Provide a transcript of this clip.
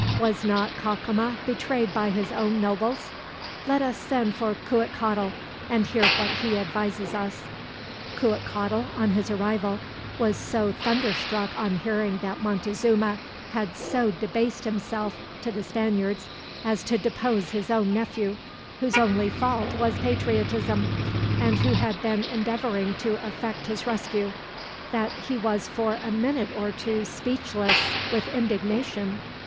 Was not Cacama betrayed by his own nobles? Let us send for Cuitcatl, and hear what he advises us." Cuitcatl, on his arrival, was so thunderstruck on hearing that Montezuma had so debased himself, to the Spaniards, as to depose his own nephew, whose only fault was patriotism, and who had been endeavoring to effect his rescue, that he was for a minute or two speechless with indignation.